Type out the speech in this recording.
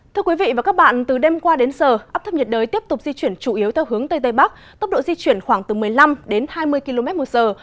thưa quý vị và các bạn từ đêm qua đến giờ áp thấp nhiệt đới tiếp tục di chuyển chủ yếu theo hướng tây tây bắc tốc độ di chuyển khoảng từ một mươi năm đến hai mươi km một giờ